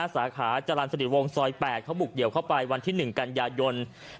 สาขาจรรย์สนิทวงศ์ซอย๘เขาบุกเดี่ยวเข้าไปวันที่๑กันยายน